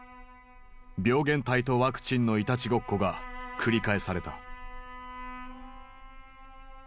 病原体とワクチンのいたちごっこが繰り返された。